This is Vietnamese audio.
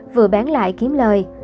vừa bán lại kiếm lời